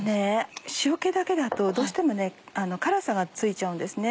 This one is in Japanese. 塩気だけだとどうしても辛さが付いちゃうんですね。